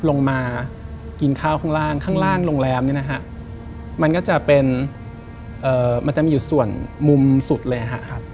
ลงมากินข้าวข้างล่างโรงแรมมันก็จะมีอยู่ส่วนมุมสุดเลยครับ